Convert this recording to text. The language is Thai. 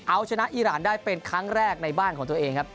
เอาชนะอีรานได้เป็นครั้งแรกในบ้านของตัวเองครับ